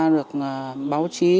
được báo chí